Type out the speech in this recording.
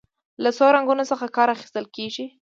له څو رنګونو څخه کار اخیستل کیږي.